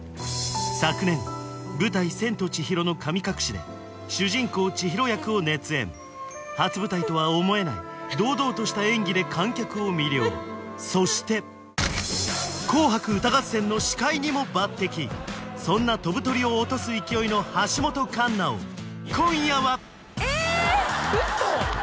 昨年舞台「千と千尋の神隠し」で主人公千尋役を熱演初舞台とは思えない堂々とした演技で観客を魅了そして「紅白歌合戦」の司会にも抜擢そんな飛ぶ鳥を落とす勢いの橋本環奈を今夜はえ！嘘！？